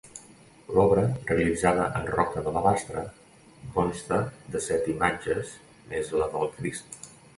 L'obra, realitzada en roca d'alabastre, consta de set imatges més la del Crist.